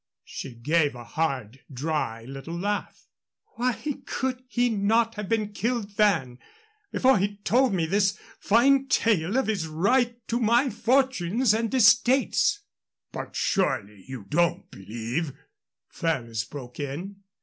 She gave a hard, dry little laugh. "Why could he not have been killed then before he told me this fine tale of his right to my fortunes and estates " "But surely you don't believe " Ferrers broke in.